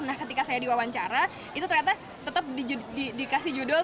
nah ketika saya diwawancara itu ternyata tetap dikasih judul